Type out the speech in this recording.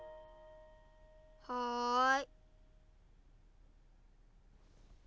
はい。